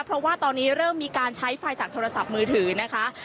เพราะว่าตอนนี้เริ่มมีการใช้ไฟจากโทรศัพท์มือถือนะคะ